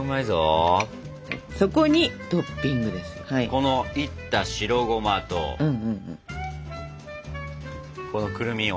このいった白ゴマとこのくるみを。